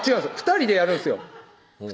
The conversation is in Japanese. ２人でやるんですよ